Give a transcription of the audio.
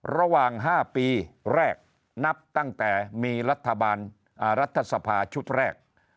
ระหว่าง๕ปีแรกนับตั้งแต่มีรัฐบาลรัฐสภาชุดแรก